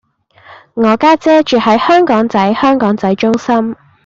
我家姐住喺香港仔香港仔中心